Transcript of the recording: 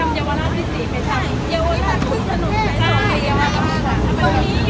เท่าสิ่งที่ไม่ได้เดี๋ยวลงเยาวราชเขาก็ยังปิดอาบนี้